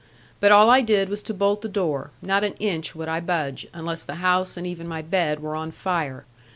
But all I did was to bolt the door; not an inch would I budge, unless the house, and even my bed, were on fire.